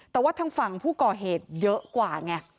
แต่ว่าทางฝั่งผู้ก่อเหตุเยอะกว่าไง